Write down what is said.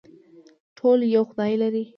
ټول یو خدای لري